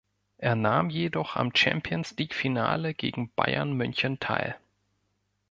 Er nahm jedoch am Champions League-Finale gegen Bayern München teil.